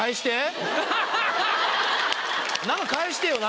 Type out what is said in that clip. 何か返してよ